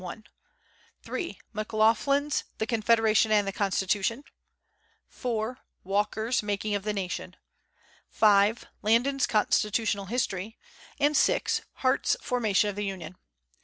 1; (3) McLaughlin's "The Confederation and the Constitution," (4) Walker's "Making of the Nation," (5) Landon's "Constitutional History," and (6) Hart's "Formation of the Union."